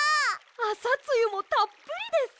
あさつゆもたっぷりです！